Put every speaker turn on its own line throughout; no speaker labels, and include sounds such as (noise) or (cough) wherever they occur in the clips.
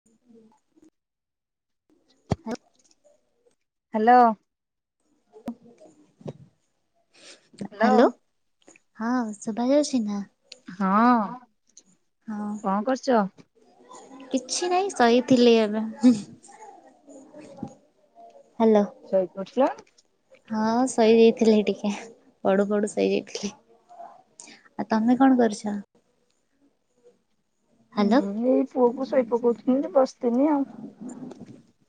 (inaudible)
Hello.
Hello! ହଁ, ସୁଭା ଯାଉଛି ନା?
ହଁ,
ହଁ
କଣ କରୁଛ?
କିଛି ନାହିଁ। ସହିଥିଲି ଏବେ। (inaudible) ହ୍ୟାଲୋ।
ଶୋଇପଡ଼ିଥିଲ!
ହଁ ଶୋଇଯାଇଥିଲି ଟିକେ, ପଡୁ ପଡୁ ଶଇଯାଇଥିଲି। ଆ, ତମେ କଣ କରୁଛ? ହ୍ୟାଲୋ
ମୁଁ ଏଇ ପୁଅକୁ ଶୋଇ ପକଉଥିନି, ବସିଥିନି ଆଉ।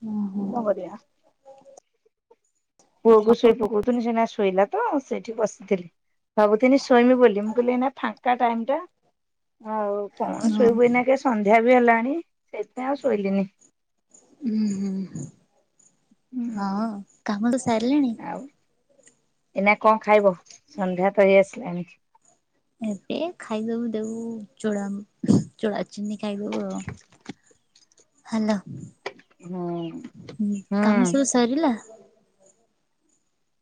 ହଁ ହୁଁ
କରିଆ? ପୁଅକୁ ଶୋଇ ପକଉଥୁନି, ସେନା ଶୋଇଲା ତ ସେଇଠି ବସିଥିଲି। ଭାବୁଥିନି, ଶୋଇମି ବୋଲି। ମୁଁ କହିଲି ଏଇନା ଫାଙ୍କା ଟାଇମ୍ଟା। ଆଉ କଣ
ହୁଁ
ଶୋଇବୁ ଏଇନାକେ ସନ୍ଧ୍ୟା ବି ହେଲାଣି। ସେଇଥିପାଇଁ ଆଉ ଶୋଇଲିନି। ହୁଁ
ହଁ। କାମ ତ ସାରିଲେଣି?
ଆଉ, ଏଇନା କଣ ଖାଇବ? ସନ୍ଧ୍ୟା ତ ହେଇ ଆସିଲାଣିି।
ଏବେ ଖାଇଦବୁ ଦେବୁ ଚୋଡମ୍ ଚୁଡା ଚିନି ଖାଇବବୁ ଆଉ। ହ୍ୟାଲୋ ହୁଁ
ହୁଁ
କାମ ସବୁ ସରିଲା?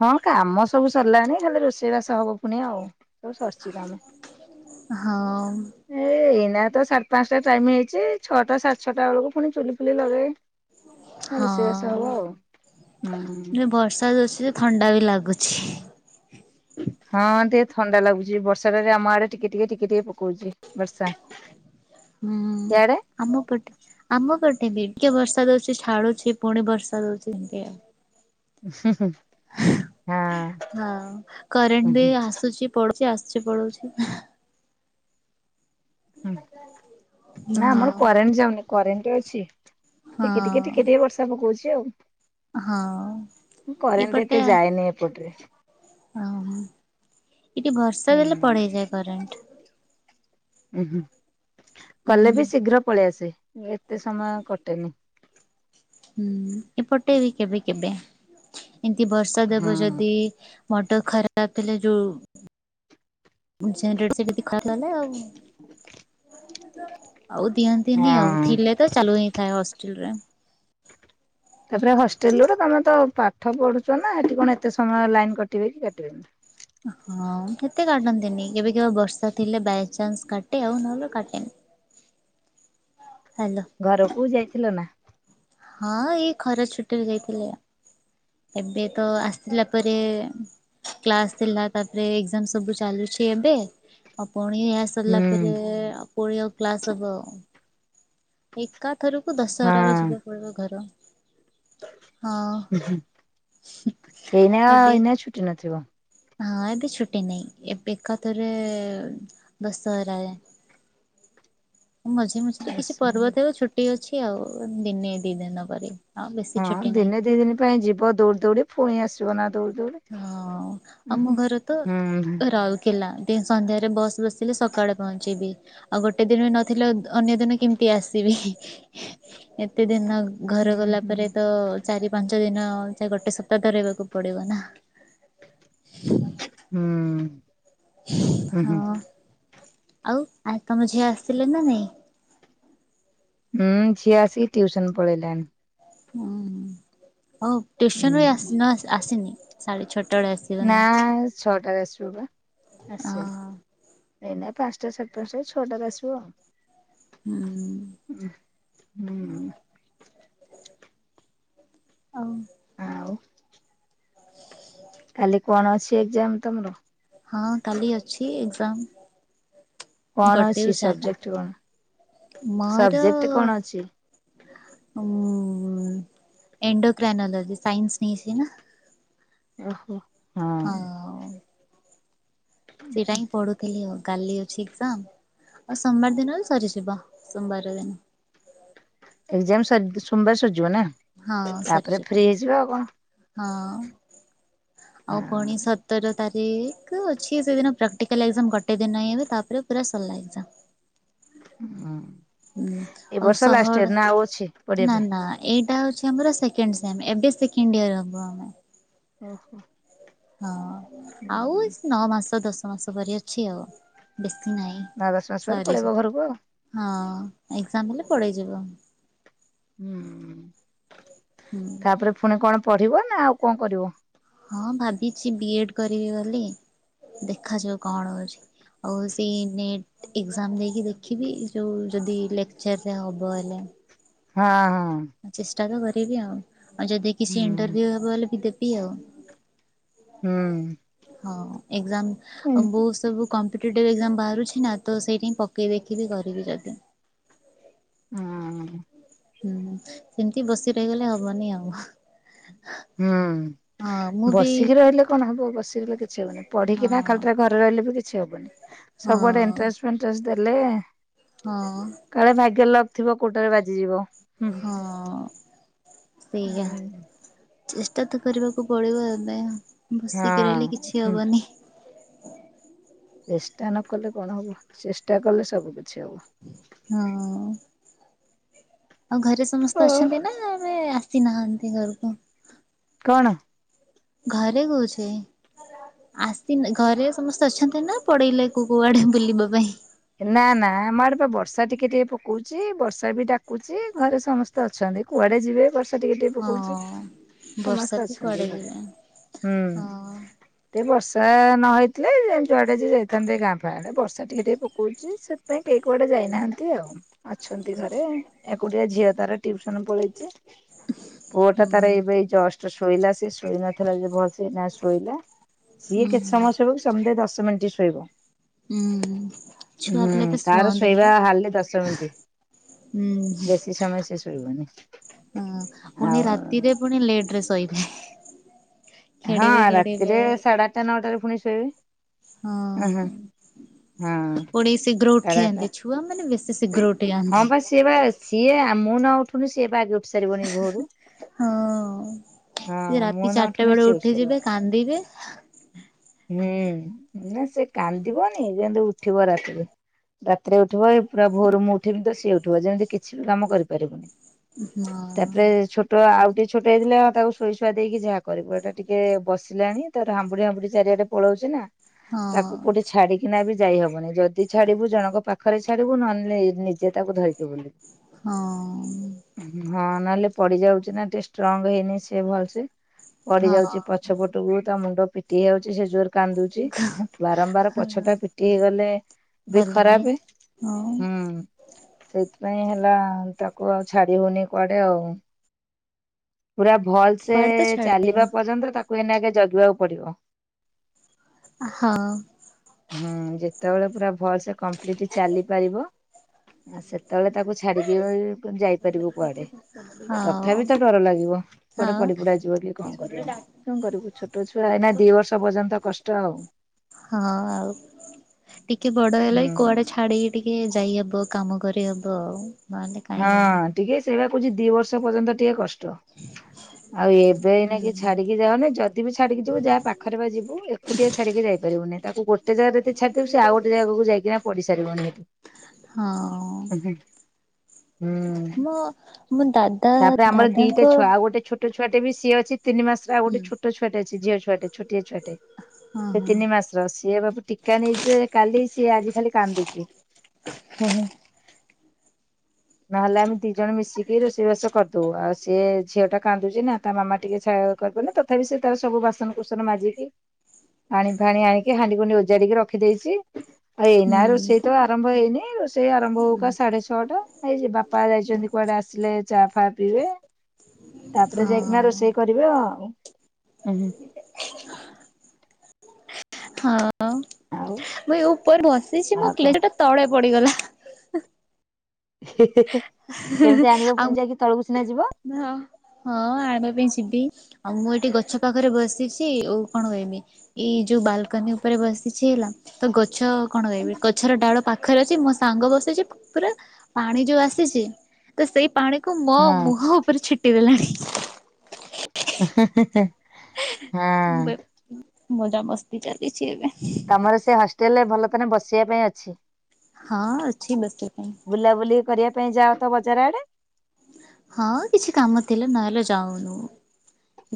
ହଁ, କାମ ସବୁ ସରିଲାଣି। ଖାଲି ରୋଷେଇବାସ ହବପୁଣି ଆଉ। ସବୁ ସରିଛି କାମ।
ହଁ
ଏ ଏଇନା ତ ସା ପାଞ୍ଚଟା ଟାଇମ୍ ହେଇଛି। ଛଅଟା ସାଢ଼େ ଛଅଟା ବେଳକୁ ପୁଣି ଚୁଲି ଫୁଲି ଲଗେଇ ରୋଷେଇବାସ ହବ
ହଁ-ଅ,
ଆଉ। ହୁଁ
ଯେ ବର୍ଷା (unintelligible) ଛି। ଥଣ୍ଡା ବି ଲାଗୁଛି।
ହଁ, ଟିକେ ଥଣ୍ଡା ଲାଗୁଛି। ବର୍ଷା ଟା ଟିକେ ଆମ ଆଡେ ଟିକେ ଟିକେ ଟିକେ ଟିକେ ପକଉଛି। ବର୍ଷା
ହୁଁ।
ଇଆଡେ
ଆମ ପଟେ, ଆମ ପଟେ ବି! ଟିକେ ବର୍ଷା ଦଉଛି। ଛାଡୁଛି, ପୁଣି ବର୍ଷା ଦଉଛି, ଏମିତି
ହୁଁ, ହୁଁ। ହଁ
ହଁ, କରେଣ୍ଟ ବି
ହୁଁ
ଆସୁଛି, ପଳଉଛି, ଆସୁଛି, ପଳଉଛି।
ହୁଁ,
ହଁ।
ନା ଆମର କରେଣ୍ଟ ଯାଉନି। କରେଣ୍ଟ ଅଛି। ଟିକେ ଟିକେ ଟିକେ ଟିକେ
ହଁ
ବର୍ଷା ପକଉଛି ଆଉ।
ହଁ
ଉଁ କରେଣ୍ଟ
ଏପଟେ
ଏତେ ଯାଏନି ଏପଟରେ।
ଓହୋ, ଟିକେ ବର୍ଷା ଦେଲେ, ପଡେଇଯାଏ କରେଣ୍ଟ।
ଉ ହୁଁ,
ହୁଁ
ଗଲେ ବି ଶୀଘ୍ର ପଳେଇ ଆସେ। ଏତେ ସମୟ କଟେନି।
ହୁଁ, ଏପଟେ ବି କେବେ କେବେ? ଏମିତି ବର୍ଷା ଦେବ
ହଁ
ଯଦି ମଟ ଖରାପ ଥିଲେ ଯୋଉ ସେ (inaudible) ଆଉ ଆଉ ଦିଅନ୍ତିନି ଆଉ।
ହଁ।
ଥିଲେ ତ ଚାଲୁ ହେଇଁଥାଏ ହଷ୍ଟେଲରେ।
ତା'ପରେ ହଷ୍ଟେଲରେ, ତମେ ତ ପାଠ ପଢୁଛ ନା, ହେଠି କଣ ଏତେ ସମୟ ଲାଇନ୍ କଟିବେ କି କାଟିବେନି।
ହଁ କେତେ କାଟନ୍ତିନି କେବେ କେବେ ବର୍ଷା ଥିଲେ ବାଇଚନ୍ସ କାଟେ ଆଉ ନହେଲେ କାଟେନି। ହାଲୋ।
ଘରକୁ ଯାଇଥିଲ ନା?
ହଁ ଏଇ ଖରା ଛୁଟିରେ ଯାଇଥିଲି। ଏବେ ତ ଆସିଲା ପରେ କ୍ଲାସ ଥିଲା ତାପରେ ଏଗଜାମ ସବୁ ଚାଲୁଚି ଏବେ ଆଉ ପୁଣି ଆସି
ହୁଁ
ସରଲା ପରେ ଆଉ ପୁଣି ଆଉ କ୍ଲାସ ହବ। ଏକାଥରକୁ ଦଶହରାରେ ଯିବକୁ ପଡିବ ଘର। ହଁ
ଉହୁଁ ଏଇନା
ଏବେ
ଏଇନା ଛୁଟି ନଥିବ।
ହଁ ଏବେ ଛୁଟି ନାଇଁ ଏବେ ଏକଥରେ ଦଶହରାରେ। ମଝି ମଝିରେ କିଛି ପର୍ବତେ ଛୁଟି ଅଛି ଆଉ ଦିନେ ଦିଦିନ ପରେ।
ହଁ ଦିନେ ଦିଦିନି ପାଇଁ ଯିବ ଦୋଉଡି ଦୋଉଡି ପୁଣି ଆସିବ ନା ଦୋଉଡି ଦୋଉଡି।
ହଁ ଆମ ଘରେତ ରାଉ କେଲ ଦିନ୍ ସନ୍ଧ୍ୟାରେ ବସ୍ ବସିଲେ ସକାଳେ ପହଞ୍ଚିବି। ଆଉ ଗୋଟେ ଦିନ ନଥିଲେ ଅନ୍ୟ ଦିନ କେମତି ଆସିବି ହି ଏତେ ଦିନ
ହୁଁ
ଘରେ ଗଲା
ହୁଁ
ପରେ ତ ଚାରି ପାଞ୍ଚ ଦିନ ସେ ଗୋଟେ ସପ୍ତାହ ତ ରହିବାକୁ ପଡ଼ିବ ନା।
ହୁଁ।
ହଁ ଆଉ ଆ ତମ ଝିଅ ଆସିଲେ ନା ନାଇଁ?
ଉଁ ଝିଅ ଆସିକି ଟିଉସନ୍ ପଳେଇଲାଣି।
ହୁଁ ହୋଉ ଟିଉସନରୁ
ହୁଁ
ଆସି ନ-ଆସି ଆସିନି ସାଢେ ଛଅଟାବେଳେ ଆସିି
ନା ଛଅଟାବେଳେ ଆସିବ ପା
ଅ
ଆସିନି। ଏଇନା ପାଞ୍ଚଟା ସାଢେ ପାଞ୍ଚଟା ଏଇ ଛଅଟାରେ ଆସିବ।
ହୁଁ।
ଉଁ ହୁଁ।
ଆଉ
ଆଉ। କାଲି କଣ ଅଛି ଏଗଜାମ ତମର?
ହଁ କାଲି ଅଛି ଏଗଜାମ୍।
କଣ ଅଛି
ଗୋଟେରୁ ଚାରଟା
ସବଜେକ୍ଟ କଣ?
ମୋର
ସବଜେକ୍ଟ କଣ ଅଛି?
ଉଁ ଏଣ୍ଡୋକ୍ରାନୋଲୋଜି ସାଇନ୍ସ ନେଇଛି ନା।
ଓହୋ।
ହଁ। ସେଇରା ହିଁ ପଢ଼ୁ ଥିଲି ଆଉ କାଲି ଅଛି ଏଗଜାମ୍ ଆଉ ସୋମବାର ଦିନ ସରିଯିବ ସୋମବାର ଦିନ।
ଏଗଜାମ୍ ସର-ସୋମବାରେ ସରଜିବ ନା
ହଁ
ତାପରେ
ସରିଯିବ
ଫ୍ରି ହେଇଯିବେ ଆଉ କଣ।
ହଁ ଆଉ ପୁଣି
ହଁ
ସତର ତାରିକ୍ କୁ ଅଛି ସେଦିନ ପ୍ରାକ୍ଟିକାଲ୍ ଏଗଜାମ ଗୋଟେ ଦିନ ଇଏବେ ତାପରେ ପୁରା ସରିଲା ଏଗଜାମ।
ଉଁ
ହୁଁ
ଏ
ଆଉ
ବର୍ଷ ଲାଷ୍ଟ
ସହଡ
ଇୟର ନା ଆଉ ଅଛି ପଢିବା
ନା
ପାଇଁ?
ନା ଏଇଟା ହୋଉଚି ଆମର ସେକଣ୍ଡ ସେମ ଏବେ ସେକେଣ୍ଡ ଇୟର ହବ ଆମ
ଓହୋ।
ହଁ ଆଉ
ହୁଁ
ଏସ୍ ନଅମାସ ଦଶମାସ ପରି ଅଛି ଆଉ। ବେଶୀ ନାଇଁ
ନଅ ଦଶ ମାସ ପରେ ପଳେଇବ
ସରିଯା
ଘରକୁ ଆଉ।
ହଁ ଏଗଜାମ୍ ହେଲେ ପଳେଇ ଯିବୁ।
ହୁଁ
ହୁଁ।
ତାପରେ ଫୁଣି କଣ ପଢିବ ନା ଆଉ କଣ କରିବ?
ହଁ ଭାବିଚି ବିଏଡ କରିବି ବୋଲି ଦେଖାଯାଉ କଣ ହୋଉଚି। ଆଉ ସେଇ ନେଟ୍ ଏଗଜାମ ଦେଇକି ଦେଖିବି ଯୋଉ ଯଦି ଲେକଚରରେ ହବ ହେଲେ।
ହଁ ହଁ।
ଚେଷ୍ଟା ତ କରିବି ଆଉ ଆଉ ଯଦି କିଛି
ହୁଁ
ଇଣ୍ଟରଭ୍ୟୁ ହବ ହେଲେ ବି ଦେବି ଆଉ।
ହୁଁ।
ହଁ ଏଗଜାମ୍ ଆଉ ବୋହୁତ ସବୁ କମ୍ପିଟେଟିଭ୍ ଏଗଜାମ୍ ବାହାରୁଛି ନା ତ ସେଇଠି ହିଁ ପକେଇ ଦେଖିବି କରିବି ଯଦି।
ହୁଁ ଉଁ।
ହୁଁ, ସେମିତି ବସି ରହିଗଲେ ହବନି ଆଉ।
ହୁଁ
ହଁ ମୁଁ ବି
ବସିକି ରହିଲେ କଣ ହବ ବସିକି ରହିଲେ। କିଛି ହନି ପଢିକିନା
ହଁ
ଖାଲିଟାରେ ଘରେ ରହିଲେ ବି କିଛି ହବନି
ହଁ
ସବୁଆଡେ ଏଣ୍ଟ୍ରାନ୍ସ, ଫେଣ୍ଟ୍ରାସ, ଦେଲେ।
ହଁ।
କାଳେ ଭାଗ୍ୟ ଲକ ଥିବ କୋଉଟାରେ ବାଜିଯିବ। ହୁଁ
ହଁ, ସେଇଆ।
ହୁଁ।
ଚେଷ୍ଟା ତ କରିବାକୁ ପଡିବ ଏବେ
ହୁଁ
ବସିକି
ହଁ।
ରହିଲେ କିଛି
ହୁଁ।
ହବନି।
ଚେଷ୍ଟା ନ କଲେ କଣ ହବ ଚେଷ୍ଟା କଲେ ସବୁ କିଛି ହବ।
ହଁ ଆଉ ଘରେ ସମସ୍ତେ ଅଛନ୍ତି ନା ଆମେ ସି ନାହାନ୍ତି ଘରକୁ।
କଣ?
ଘରେ କହୁଛି। ଆସି ଘରେ ସମସ୍ତେ ଅଛନ୍ତି ନା ପଡେଇଲେ କଉ କୋଉଆଡେ ବୁଲିବା ପାଇଁ?
ନା ନା ଆମ ଆଡେ ବର୍ଷା ଟିକେ ଟିକେ ପକଉଚି ବର୍ଷା ବି ଡାକୁଚି ଘରେ ସମସ୍ତେ ତ ଅଛନ୍ତି କୁଆଡେ ଯିବେ ବର୍ଷ ଟିକେ ଟିକେ ପକଉଚି
ହଁ
ସମସ୍ତେ
ବର୍ଷାରେ
ଅଛନ୍ତି
କୁଆଡେ
ଘରେ
ଯିବେ
ହୁଁ।
ହଁ
ଟେ ବର୍ଷା ନ ହେଇଥିଲେ ଯେ ଯୁଆଡେ ଯିଏ ଯାଇଥାନ୍ତେ ଗାଁ ଫାଁ ଆଡେ ବର୍ଷା ଟିକେ ଟିକେ ପକ ଖୋଲିଛି ସେଥିପାଇଁ କିଏକୁଆଡେ ଯାଇନାହାନ୍ତି ଆଉ ଅଛନ୍ତି ଘରେ ଏକୁଟିଆ ଝିଅ ତାର। ଟ୍ୟୁସନ ପଳେଇଛି ପୁଅ ଟା
ହୁଁ
ତାର
ହୁଁ
ଏବେ ଏଇ ଜଷ୍ଟ ଶୋଇଲା ସେ ଶୋଇ ନଥିଲା ଯେ ଭଲସେ ନା ଶୋଇଲା। ସିଏ
ହୁଁ
କେତେ
ହୁଁ
ସମୟ ଶୋଇବକି ସମୁଦାୟ ଦଶ ମିନିଟ୍ ଶୋଇବ।
ହୁଁଉଁ।
ହୁଁ, ତାର ଶୋଇବା ହାଡଲି ଦଶ ମିନିଟ୍।
ହୁଁ,
ବେଶୀ ସମୟ ସେ ଶୋଇବନି
ହ
ଆଉ
ପୁଣି ରାତିରେ ପୁଣି ଲେଟରେ ଶୋଇବେ।
ହଁ,
ଖେଳିବେ ଖେଳିବେ
ରାତିରେ ସାଢେଆଠଟା ନଅଟାରେ ପୁଣି ଶୋଇବେ।
ହଁ
ଉଁ ହୁଁ ହଁ
ପଢ଼େଇ ଶୀଘ୍ର ଉଠି ଯାନ୍ତି ଛୁଆମାନେ ବେଶୀ ଶୀଘ୍ର ଉଠନ୍ତି।
ହଁବା ସିଏବା ସିଏ ମୁଁ ନ ଉଠୁଣୁ ସିଏ ବା ଆଗ ଉଠେ।
ହଁ,
ହଁ ମୁଁ
ସେରାତି
ନ
ଚାରିଟା
ଉଠୁନି
ବେଳେ
ସିଏ ଉଠି
ଉଠିଯିବେ
ସାରିବଣି
କାନ୍ଦିବେ।
ହୁଁ ନାସେ କାନ୍ଦିବନି ଯେହେତୁ ଉଠିବ ରାତିରେ। ରାତିରେ ଉଠିବ ଏ ପୁରା ଭୋରରୁ ମୁଁ ଉଠିବି ତ ସିଏ ଉଠିବ ଯେମିତି କିଛି ବି କାମ କରିପାରିବୁନି।
ହଁ।
ତାପରେ ଛୋ ତ ଆଉ ଟିକେ ଛୋଟ ହେଇଥିଲା ଆ ତାକୁ ଶୋଇ ଶୁଆ ଦେଇକି ଯାହାକରିବୁ ଏଟା ଟିକେ ବିସିଲାଣି ତାର ହାମୁଁଡାଇ, ହାମୁଁଡାଇ ଜାରିଆଡେ ପଳଉଛି ନା
ହଁ
ତାକୁ କୋଉଠି ଛାଡିକିନା ବି ଯାଇ ହବନି ଯଦି ଛାଡିବୁ ଜଣଙ୍କ ପାଖରେ ଛାଡିବୁ ନହେଲେ ନିଜେ ତାକୁ ଧରିକି ବୁଲିବୁ।
ହଁଅ।
ହଁ, ନହେଲେ ପଡିଯାଉଛିନା ଟିକେ ଷ୍ଟ୍ରଙ୍ଗ ହେଇନି ସେ ଭଲସେ। ପଡି
ହଁ
ଯାଉଛି ପଛପଟକୁ ତା ମୁଣ୍ଡ ପିଟି ହେଇଯାଉଛି ସେ ଯୋରେ କାନ୍ଦୁଚି ବାରମ୍ବାର ପଛ
ହଁ
ଟା ପିଟି ହେଇଗଲେ ବି
ଭଲ ନାହିଁ
ଖରାପେ।
ହଁ।
ସେଇଥିପାଇଁ ହେଲା, ତାକୁଆଉ ଛାଡି ହଉନି କୁଆଡେ ଆଉ। ପୁରା ଭଲସେ
କୁଆଡେ ତ ଛାଡିବ।
ଚାଲିବା ପର୍ଯ୍ୟନ୍ତ ତାକୁ ଏଇନାକେ ଜଗିବାକୁ ପଡିବ।
ହଁ।
ହୁଁ ଯେତେବେଳେ ପୁରା ଭଲସେ କମ୍ପ୍ଲିଟ ଚାଲିପାରିବ ସେତେ ତଳେ ତାକୁ ଛାଡିକି ଯାଇପାରିବ କୁଆଡେ
ହଉ
ତଥାପି ତ ଡର ଲାଗୁଛି। ପୁଅ କୁଆଡେ
ହଉ
ପଡି ପୁଡା ଯିବ କି କଣ କରିବ। କଣକରିବୁ ଛୋଟ ଛୁଆ ଏଇନା ଦି ବର୍ଷ ପର୍ଯ୍ୟନ୍ତ କଷ୍ଟ ଆଉ।
ହଁ ଆଉ ଟିକେ ବଡ ହେଲେ
ହୁଁ
ଏ କୁଆଡେ ଛାଡିକି ଟିକେ ଯାଇହବ କାମ କରିହବ ଆଉ। ନହେଲେ କାଇଁ ହବ।
ହଁ ଟିକେ ସେଇବା କହୁଛି ଦି ବର୍ଷ ପର୍ଯ୍ୟନ୍ତ ଟିକେ କଷ୍ଟ। ଆଉ ଏବେ ଏଇନାକେ
ହୁଁ।
ଛାଡିକି ଯାଉନି ଯଦି ବି ଛା ଡିକି ଯିବୁ ଯାହା ପାଖରେ ପା ଯିବୁ। ଏକୁଟିଆ ଛାଡି କି ଯାଇପାରିବୁନି ତାକୁ ଗୋଟେ ଜାଗାରେ ଯଦି ଛାଡିଦବୁ ସେ ଆଉ ଗୋଟୋ ଜାଗାରେ ଯାଇକିନା ପଡିସାରିବଣି।
ହଁ
ହୁଁ
ମୁଁ ମୁଁ ଦାଦା
ତାପରେ ଆମର ଦିଟା
ଦାଦାଙ୍କ-
ଛୁଆ ଆଉ ଗୋଟେ ଛୋଟ ଛୁଆଟେ ବି ସିଏ ଅଛି ତିନି ମାସ ଆଉ
ହୁଁ
ଗୋଟେ ଛୋଟ ଛୁଆଟେ ଅଛି ଝିଅ ଛୁଆଟେ ଛୋଟିଆ ଛୁଆଟେ
ହଁ
ସେ
ହଁ
ତିନି ମାସ। ରସିଆ ବାବୁ ଟୀକା ନେଇଛି ଯେ କାଲି ସିଏ ଆଜି ଖାଲି କାନ୍ଦୁଛି, ହୁଁ, ହୁଁ ନହେଲେ ଆମେ ଦି ଜଣ ମିଶିକି ରୋଷେଇବାସ କରିଦଉ ଆଉ ସିଏ ଝିଅ ଟା କାନ୍ଦୁଛି ନା ତା ମାମା ଟିକେ ଛା କରିପାରୁନି ତ ତଥାପି ସେ ତାର ସବୁ ବାସନ କୁସନ ମାଜିକି ପାଣି, ଫାଣି ଆଣିକି ହାଣ୍ଡି କୁଣ୍ଡି ଓଜାଡିକି ରଖିଦେଇଛି ଏଇନା
ହୁଁ
ରୋଷେଇ ତ ଆରମ୍ଭ ହେଇନି ରୋଷେଇ ଆରମ୍ଭ ହଉ ହଉ କା ସାଢେ ଛଅଟା, ଏଇ ଯେ ବାପା ଯାଇଛନ୍ତି କୁଆଡେ ଆସିଲେ ଚା, ଫା, ପିଇବେ ତାପରେ ଯାଇକିନା
ହଁ।
ରୋଷେଇ କରିବେ ଆଉ, ଉଁ ହୁଁ
ହଁ
ଆଉ
ମୁଁ ଏ ଉପରେ ବସିଛି ମୋ
ଆଉ କଣ
କ୍ଲିପଟା ତଳେ ପଡିଗଲା,
ହେ ହେଁ ହେ କେମିତି ଆଣିବ
ଆଉ
ପୁଣି ଯାଇକି? ତଳକୁ ସିନା ଯିବ,
ହଁ, ହଁ, ଆଣିବା ପାଇଁ ଯିବି, ଆଉ ମୁଁ ଏଠି ଗଛ ପାଖରେ ବସିଛି, ଓଉ କଣ କହିବି, ଏଇଯୋଉ ବାଲକନୀ ଉପରେ ବସିଛି ହେଲା, ତ ଗଛ କଣ ଗାଇବି ଗଛର ଡାଳ ପାଖରେ ଅଛି ମୋ ସାଙ୍ଗ ବସିଛି କୁ ପୁରା- ପାଣି ଯୋଉ ଆସିଛି ତ ସେଇ ପାଣି କୁ ମୋ
ହଁ
ମୁହଁ ଉପରେ ଛିଟିଦେଲାଣି।
ହେଁ ହେଁ ହେଁ ହଁ
ମଜାମସ୍ତି ଚାଲିଛି ଏବେ।
ତମର ସେ ହଷ୍ଟେଲରେ ଭଲ କିନା ବସିବା ପାଇଁ ଅଛି।
ହଁ ଅଛି ବସିବା ପାଇଁ।
ବୁଲାବୁଲି କରିବା ପାଇଁ ଯାଅ ତ ବଜାର ଆଡେ!
ହଁ କିଛି କାମ ଥିଲେ ନହେଲେ ଯାଉନୁ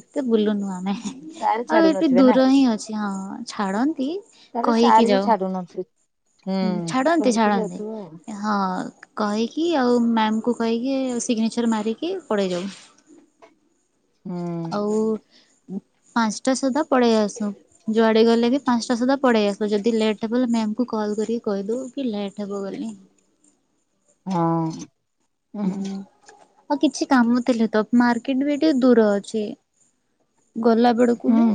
ଏତେ ବୁଲୁନୁ ଆ ମେ
ସାର୍
ଆଉ
ଛାଡୁ
ଏଠି
ନଥିବେ ନା।
ଦୂର ହିଁ ଅଛି ହଁ ଛାଡନ୍ତି।
ତାହେଲେ
କହିକି
ସାର ବି
ଯାଉ।
ଛାଡୁନଥୁବେ ହୁଁ
ଛାଡ଼ନ୍ତି
କହିକି
ଛାଡ଼ନ୍ତି।
ଯାଉଥିବ ଆଉ!
ହଁ କହିକି ଆଉ ମ୍ୟମ କୁ କହିକି ସିଗ୍ନେଚର୍ ମାରିକି ପଳାଇ ଯାଉ।
ହୁଁ
ଆଉ ପାଞ୍ଚଟା ସୁଦ୍ଧା ପଳେଇ ଆସୁ। ଯୁଆଡେ ଗଲେ ବି ପାଞ୍ଚଟା ସୁଦ୍ଧା ପଳେଇ ଆଶୁ ଯଦି ଲେଟ୍ ହବ ମ୍ୟାମ କୁ କଲ୍ କରିକି କହିଦଉ କି ଲେଟ୍ ହବ ବୋଲି।
ହଁ ଉ ହୁ
ହୁଁ ଆଉ କିଛି କାମ ଥିଲେ ତ ମାର୍କେଟ ବି ଟିକେ ଦୂର ଅଛି। ଗୋଲା ବେଡକୁ
ହୁଁ
ବି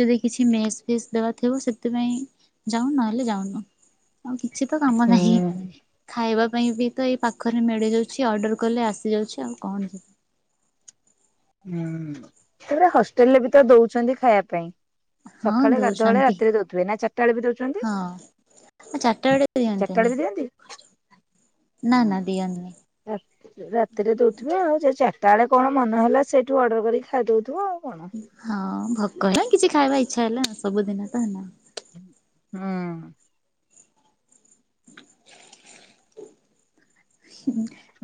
ଯଦି କିଛି ମେସ୍ ପେସ୍ ଦେବା ଥିବ ସେଥିପାଇଁ ଯାଉ ନହେଲେ ଯାଉନୁ। ଆଉ କିଛି ତ କାମ ନାହିଁ
ହୁଁ।
ଖାଇବା ପାଇଁ ବି- ତ ଏଇ ପାଖରେ ମିଳି ଯାଉଛି ଅର୍ଡର କଲେ ଆସିଯାଉଛି ଆଉ କଣ ଯିବ।
ହୁଁ ତାପରେ ହଷ୍ଟେଲରେ ବିତ ଦଉଛନ୍ତି ଖାଇବା ପାଇଁ।
ହଁ
ସକାଳେ ଗାଧୁଆଳେ
ଦଉଛନ୍ତି
ରାତିରେ ଦଉଥିବେ ନା ଚାରଟା ବେଳେ ବି ଦଉଛନ୍ତି!
ହଁ ଚାରିଟା ବେଳେ
ଚାରଟା
ଦିଅନ୍ତିନି।
ବେଳେ ବି ଦିଅନ୍ତି?
ନା ନା ଦିଅନ୍ତିନି
ହଁ ରା ରାତିରେ ଦଉଥିବେ ଆଉ ସେ ଚା- ତା ଳେ କଣ ମନ ହେଲା ସେଇଠୁ ଅର୍ଡର କରିକି ଖାଇଦଉଥିବ ଆଉ କଣ।
ହଁ ଭୋକ ନାହିଁ କିଛି ଖାଇବା ଇଚ୍ଛା ହେଲା ସବୁ ଜିନିଷ
ହୁ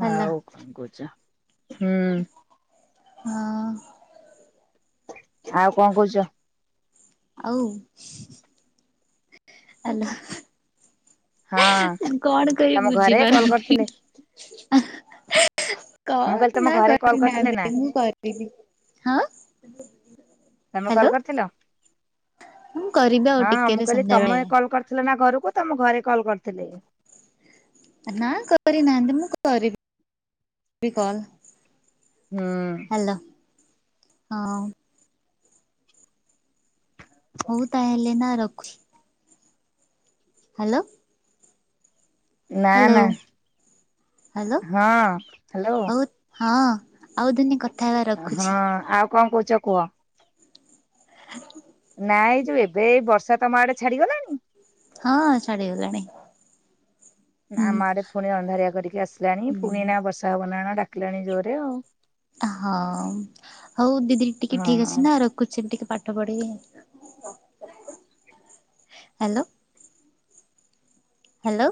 ହାଲୋ
କୁଜା ହୁଁ
ହଁ
ଝା ଆଉ କଣ କହୁଛ?
ଆଉ ହାଲୋ।
ହଁ
କଣ
ତମ
କହିବି
ଘରେ କଲ୍
ବୁଝିପାରୁନି।
କରିଥିଲେ ମୁଁ କହିଲି
କଣ
ତମ
ନା
ଘରେ କଲ୍ କରିଥିଲେ ନା
କରିନାହାନ୍ତି ମୁଁ କରିବି ହଁ।
ତମେ
ହ୍ୟାଲୋ
କଲ କରିଥିଲ
ମୁଁ କରିବି ଆଉ
ହଁ
ଟିକେରେ
ମୁଁ କହିଲି ତମେ
ସନ୍ଧ୍ୟାବେଳେ।
କଲ କରି ଥିଲା ନା ଘରକୁ ତମ ଘରେ କଲ୍ କରିଥିଲି?
ନା କରିନାହାନ୍ତି ମୁଁ କରିବିି ବି କଲ।
ହୁଁ।
ହାଲୋ ହଁ। ହଉ ତାହେଲେ ନା ରଖୁଛି। ହାଲୋ।
ନା
ହ୍ୟାଲୋ
ନା
ହ୍ୟାଲୋ
ହଁ ହ୍ୟାଲୋ
ହଉ ହଁ ଆଉ ଦନେ କଥା ହେବା
ହଁ
ରଖୁଛି।
ଆଉ କଣ କହୁଛ କୁହ।
ଆ
ନାଇଁଇ ଯୋଉ ଏବେ ବର୍ଷା ତମ ଆଡେ ଛାଡିଗଲାଣି?
ହଁ ଛାଡିଗଲାଣି।
ନା ଆମ ଆଡେ ପୁଣି ଅନ୍ଧାରିଆ କରିକି ଆସିଲାଣି
ହୁଁ
ପୁଣି ନା ବର୍ଷା ହବ ନା ନା ଡାକିଲାଣି ଜୋରରେ ଆଉ।
ହଁ ହଉ ଦିଦି ଟିକେ ଠିକ
ହଁ
ଅଛି ନା ରଖ କୋଚିନ ଟିକେ ପାଠ ପଢ଼େ ହ୍ୟାଲୋ। ହ୍ୟାଲୋ।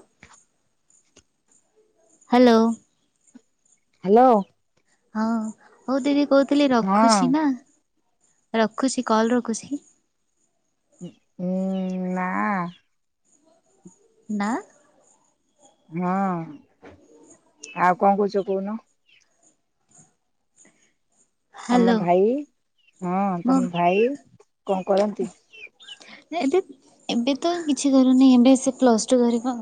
ହ୍ୟାଲୋ।
ହ୍ୟାଲୋ।
ହଁ ହଉ ଦିଦି କହୁଥିଲି
ହଁ
ରଖୁଛି ନା ରଖୁଛି କଲ ରଖୁଛି।
ହୁଁ ନା
ନା
ହଁ ଆଉ କଣ କହୁଚ କହୁନ। ତମ
ହ୍ୟାଲୋ
ଭାଇ ହଁ
ମୁଁ
ତମ ଭାଇ କଣ କରନ୍ତି?
ଏବେ ଏବେ ତ କିଛି କରୁନି ଏବେ ସେ ପ୍ଲସ ଟୁ ହେରିକା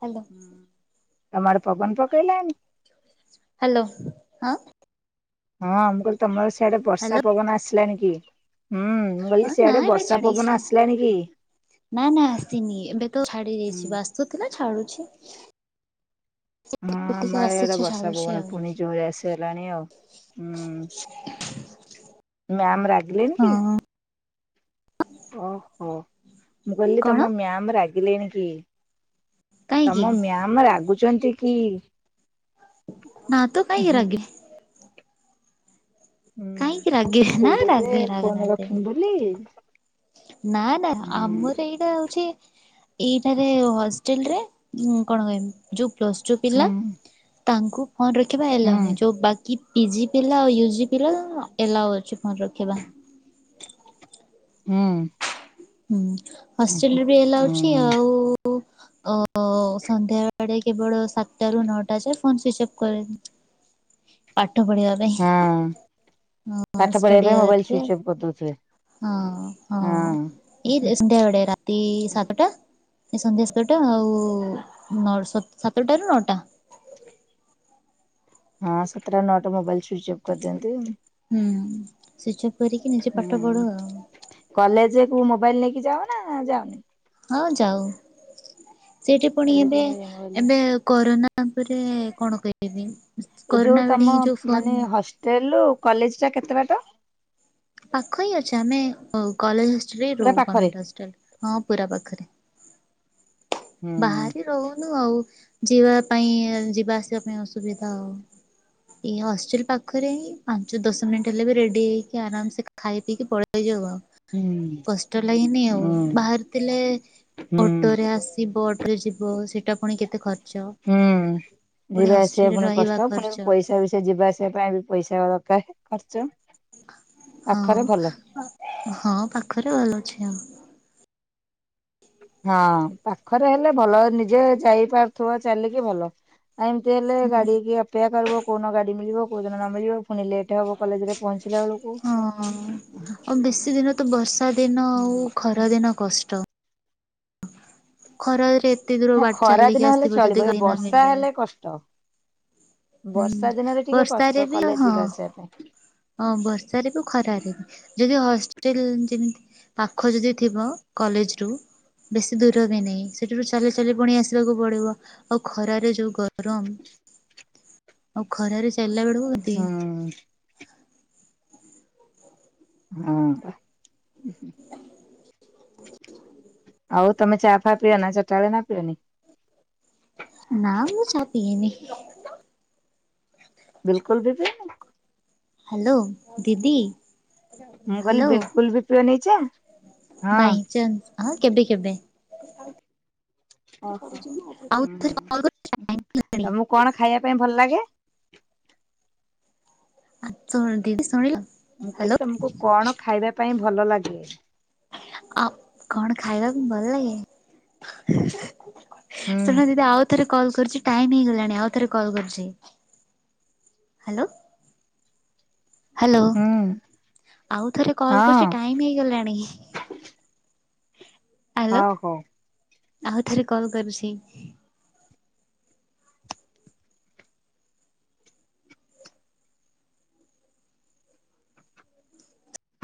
ହ୍ୟାଲୋ
ତମ ଆଡେ ପବନ ପକେଇଲାଣି?
ହ୍ୟାଲୋ ଆଁ?
ହଁ ମୁଁ କହିଲି ତମର ସିଆଡେ ବର୍ଷା ପବନ ଆସିଲାଣିି କି? ହୁଁ ମୁଁ କହିଲି
ହ୍ୟାଲୋ ନା
ସେଆଡେ
ଏବେ
ବର୍ଷା ପବନ
ଛାଡିଛି
ଆସିଲାଣି କି?
ନା ନା ଆସିନି ଏବେ ତ ଛାଡି
ହଁ
ଯାଇଚି ଆସୁ ଥିଲା ଛାଡୁଛି।
ହଁ
ଟିକେ ଟିକେ
ଆମର ଏଇଡା
ଆସୁଛି
ବର୍ଷା
ଛାଡୁଛି
ପବନ
ଆଉ
ପୁଣି ଜୋରେ ଆସ ହେଲାଣି ଆଉ ହଁ ମ୍ୟାମ ରାଗିଲେନି କି?
ହଁ
ଓହୋ ମୁଁ କହିଲି
କଣ
ତମ ମ୍ୟାାମ ରାଗିଲେଣି କି?
କାହିଁକି
ତମ ମ୍ୟାାମ ରାଗୁଚନ୍ତି କି?
ନାଁ ତ
ହୁଁ
କାଇଁ
ହୁଁ।
ରାଗେ କାହିଁକି
ହୁଁ
ରାଗେ
ମୁଁ
ନା
କହୁଚ ଯେ
ରାଗେ
ଫୋନ
ରାଗନାହାନ୍ତି।
ରଖିବି ବୋଲି
ନା ନା
ହୁଁ
ଆମର ଏଇଟା ହଉଚି ଏଇଠାରେ ହଷ୍ଟେଲ ରେ କଣ କହିବି ଯୋଉ ପ୍ଲସ୍ ଟୁ ପିଲା ତାଙ୍କୁ ଫୋନ୍ ରଖିବା
ହୁଁ
ଏଲାଓନିଁ ଯେଉଁ ବାକି ପିଜି ପିଲା ଆଉ ୟୁଜି ପିଲା ଏଲାଓ ଅଛି ଫୋନ ରଖିବା।
ହୁଁ।
ହୁଁ ହଷ୍ଟେଲରେ ବି ଏଲାଉ ଅଛି
ହୁଁ
ଆଉ ଅ ସନ୍ଧ୍ୟାବେଳେ କେବଳ ସାତଟାରୁ ନଅଟା ଯାଏ ଫୋନ୍ ସୁଇଚ୍ ଅଫ୍ କରି ପାଠ ପଢିବା ପାଇଁ
ହଁ।
ହଁ
ପାଠ ପଢ଼ିବା
ଷ୍ଟଡି
ପାଇଁ ମୋବାଇଲ
ଆୱାରରେ
ସୁଇଚ ଅଫ କରିଦଉଥିବେ।
ହଁ ହଁ ଏ ସନ୍ଧ୍ୟାବେଳେ ରାତି ସାତଟା ସନ୍ଧ୍ୟା ସାତଟା ଆଉ ନ ସ ସାତଟାରୁ ନଅଟା।
ହଁ ସାତଟା ନଅଟା ମୋବାଇଲ ସୁଇଚ୍ ଅପ୍ କରିଦିଅନ୍ତି।
ହୁଁ ସେଟପ କରିକି ନିଜେ ପାଠ
ହୁଁ।
ପଢୁ ଆଉ।
କଲେଜ କୁ ମୋବାଇଲ ନେଇକି ଯାଉ ନା ଯାଉନି।
ହଁ ଯାଉ ସେଠି ପୁଣି
କଲେଜ
ଏବେ
ନେଇ ମୋବାଇଲ
ଏବେ କରୋନା। ତାପରେ କଣ କହିବିବି କରୋନା ବେଳେ ହିଁ ଯୋଉ ଫୋନ।
ହେଲୁ କଲେଜ ଟା କେତେ ବାଟ।
ପାଖ ହିଁ ଅଛି ଆମେ କଲେଜ ହଷ୍ଟାଲରେ
ପୁରା
ରହୁ
ପାଖରେ?
ଗଭର୍ଣ୍ଣମେଣ୍ଟ ହଷ୍ଟାଲ ହଁ ପୁରା ପାଖରେ।
ହୁଁ
ବାହାରି ରହୁନୁ ଆଉ ଯିବା ପାଇଁ ଯିବା ଆସିବା ପାଇଁ ଅସୁବିଧା ଆଉ। ଏଇ ହଷ୍ଟେଲ ପାଖରେ ପାଞ୍ଚ ଦଶ ମିନିଟ୍ ହେଲେ ବି ରେଡି ହେଇକି ଆରାମସ ଖାଇ ପିଇକି ପଳେଇଯିବ ଆଉ
ହୁଁ
କଷ୍ଟ ଲାଗନି ଆଉ
ହୁଁ
ବାହାରିଥିଲେ
ହୁଁ
ଅଟୋରେ ଆସି ଯିବ ଅଟରେ ଯିବ ସେଇଟା ଖର୍ଚ୍ଚ।
ହୁଁ
ପୁଣି
ଯବେ ଆସିବା
ହଷ୍ଟେଲରେ
ପୁଣି
ରହିବା
କଷ୍ଟ ପୁଣି
ଖର୍ଚ୍ଚ
ପଇସା ବିସ ସେ ଯିବା ସେ ପାଇଁ ବି ପଇସା ଦରକାର ଖର୍ଚ୍ଚ।
ହଁ
ପାଖରେ ଭଲ
ହଁ ପାଖରେ ଭଲ ଅଛି ଆ
ହଁ ପାଖରେ ହେଲେ ଭଲ ନିଜେ ଯାଇପାରୁଥିବ ଚାଲିକି ଭଲ। ଏମିତି ହେଲେ
ହୁଁ।
ଗାଡିିକି ପେ କରିବ କେଉଁନ ଗାଡ଼ି ମିଳିବ କେଉଁଦିନ ନ ମିଳିବ ପୁଣି ଲେଟ୍ ହେବ କଲେଜରେ ପହଞ୍ଚିଲା ବେଳକୁ
ହଁ ଆଉ ବେଶୀ ଦିନ ତ ବର୍ଷା ଦିନ
ହୁଁ।
ଆଉ ଖରା ଦିନ କଷ୍ଟ ଖରାରେ ଏତେ ଦ
ନା ଖରା ଦିନ ହେଲେ ଚଳିବ ଏ ବର୍ଷା ହେଲେ କଷ୍ଟ।
ହୁଁ
ବର୍ଷା ଦିନରେ ଟିକେ
ବର୍ଷାରେ
କଷ୍ଟ
ବି
କଲେଜ
ହଁ
ଯିବା ଆସିବା ପାଇଁ।
ହଁ ବର୍ଷାରେ ବି
ହୁଁ।
ଖରାରେ ବି ଯଦି ହଷ୍ଟେଲ ଯେମିତି। ପାଖ ଯଦି ଥିବ କଲେଜ ରୁ। ବେଶୀ ଦୂର ବି ନାହିଁ ସେଠାରୁ ଚାଲି ଚାଲି ପୁଣି ଆସିବାକୁ ପଡିବ ଆଉ ଖରାରେ ଯୋଉ ଗ। ଗରମ ଆଉ ଖରାରେ ଚାଲିଲା ବେଳକୁ କାଦି
ହୁଁ ହଁ। ହୁଁ ହୁଁ। ଆଉ ତମେ ଚା ଫା ପିଅ ନା ଚଟବେଳେ ନା ପିଅନି।
ନା ମୁଁ ତା ପିଏନି।
ବିଲକୁଲ ବି ପିଅନି?
ହାଲୋ ଦିଦି।
ମୁଁ କହିଲି
ହାଲୋ
ବିଲକୁଲ ବି ପିଅନି ଚା ହଁ।
ଭାଇଚନ୍ଦ। ହଁ କେବେ କେବେ
ଓହୋ
ଆଉ।
ହୁଁ
କଲ୍ କରୁଚି ଟାଇମ୍ ହେଲାଣି।
ତମକୁ କଣ ଖାଇବା ପାଇଁ ଭଲ ଲାଗେ।
ଆ ଶୁଣ ଦିଦି ଶୁଣିଲ।
ମୁଁ କହିଲି
ହ୍ୟାଲୋ
ତମକୁ କଣ ଖାଇବା ପାଇଁ ଭଲ ଲାଗେ।
ଆଉ କଣ ଖାଇବାକୁ ଭଲ ଲାଗେ।
ହୁଁ
ଶୁଣ ଦିଦି ଆଉ ଥରେ। କରୁଛି ଟାଇ ହେଇଗଲାଣି ଆଉ ଥରେ କଲ୍ କରୁଛି ହାଲୋ। ହାଲୋ
ହୁଁ
ଆଉ ଥରେ
ହଁ।
କଲ୍ କରୁଛି ଟାଇମ ହେଇଗଲାଣି। ହାଲୋ
ହଉ ହଉ।
ଆଉ ଥରେ କଲ୍ କରୁଛି।